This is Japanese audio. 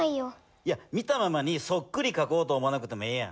いや見たままにそっくりかこうと思わなくてもええやん。